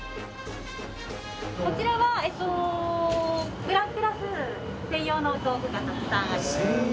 こちらはグランクラス専用の道具がたくさんあります。